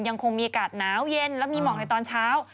ยังคงมีอากาศหนาวเย็นและมีหมอกในตอนเช้า